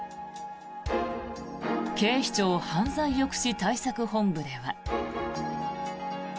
警視庁犯罪抑止対策本部では。